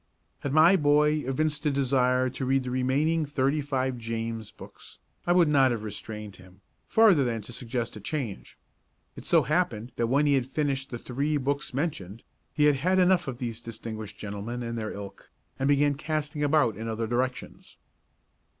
Had my boy evinced a desire to read the remaining thirty five James books, I would not have restrained him, farther than to suggest a change. It so happened that when he had finished the three books mentioned he had had enough of these distinguished gentlemen and their ilk, and began casting about in other directions.